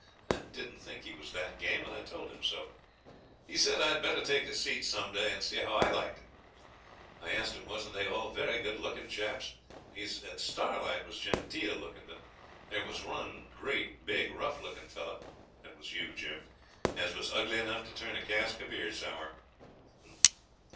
I didn't think he was that game, and told him so. He said I'd better take a seat some day and see how I liked it. I asked him wasn't they all very good looking chaps, and he said Starlight was genteel lookin', but there was one great, big, rough lookin' feller that was you, Jim as was ugly enough to turn a cask of beer sour.'